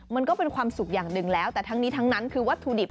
มันก็เป็นความสุขอย่างหนึ่งแล้วแต่ทั้งนี้ทั้งนั้นคือวัตถุดิบ